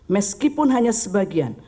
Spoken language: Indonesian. meskipun hanya sebagian